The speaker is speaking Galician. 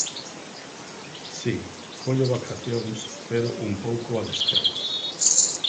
Si, collo vacacións pero un pouco a destempo.